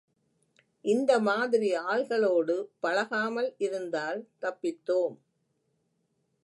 இந்த மாதிரி ஆள்களோடு பழகாமல் இருந்தால் தப்பித்தோம்.